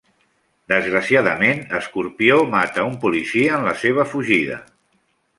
Desgraciadament, Escorpió mata un policia en la seva fugida.